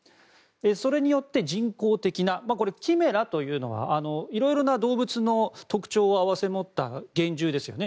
それによって人工的なキメラというのはいろいろな動物の特徴を併せ持った幻獣ですよね。